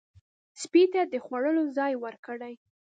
سپي ته د خوړلو ځای ورکړئ.